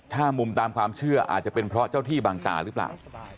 ถ้ามุมตามความเชื่ออาจจะเป็นเพราะเจ้าที่บางตาหรือเปล่า